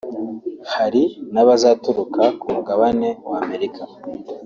hari n’abazaturuka ku mugabane wa Amerika